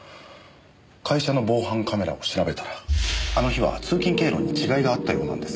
会社の防犯カメラを調べたらあの日は通勤経路に違いがあったようなんですけど。